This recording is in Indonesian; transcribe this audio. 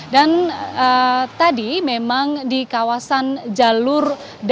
dan tadi memang di kawasan jalur